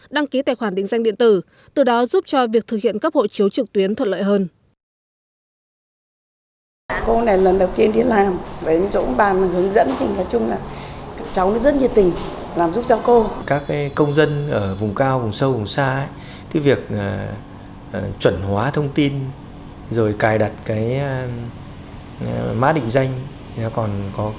đăng ký tài khoản định danh điện tử từ đó giúp cho việc thực hiện các hội chiếu trực tuyến thuận lợi hơn